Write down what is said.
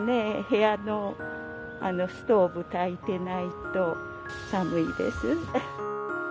部屋のストーブたいてないと寒いです。